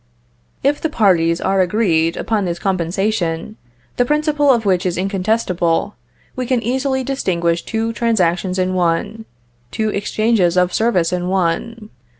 If the parties are agreed upon this compensation, the principle of which is incontestable, we can easily distinguish two transactions in one, two exchanges of service in one.